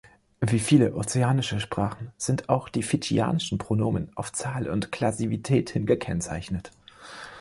Wie viele ozeanische Sprachen sind auch die fidschianischen Pronomen auf Zahl und Klasivität hin gekennzeichnet.